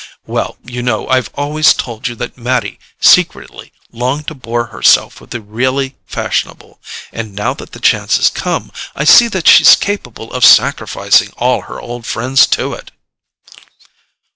Well, you know I've always told you that Mattie secretly longed to bore herself with the really fashionable; and now that the chance has come, I see that she's capable of sacrificing all her old friends to it."